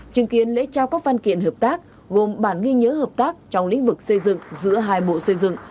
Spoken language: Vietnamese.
chứng kiến lễ trao các văn kiện hợp tác gồm bản ghi nhớ hợp tác trong lĩnh vực xây dựng giữa hai bộ xây dựng